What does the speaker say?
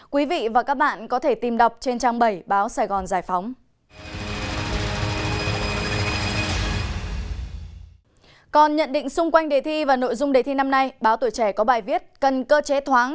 quý vị và các bạn có thể tìm đọc trên trang bảy báo sài gòn giải phóng